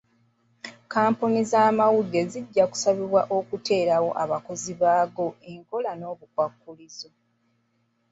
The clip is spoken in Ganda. kkampuni z'amawulire zijja kusabibwa okuteerawo abakozi baago enkola n'obukwakkulizo.